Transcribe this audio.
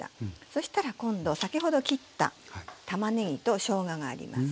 そしたら今度先ほど切ったたまねぎとしょうががあります。